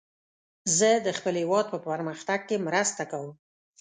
زه د خپل هیواد په پرمختګ کې مرسته کوم.